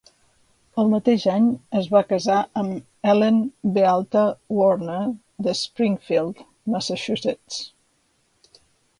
El mateix any es va casar amb Ellen B. Warner de Springfield, Massachusetts.